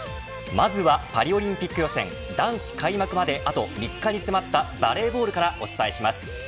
まずは、パリオリンピック予選男子開幕まであと３日に迫ったバレーボールからお伝えします。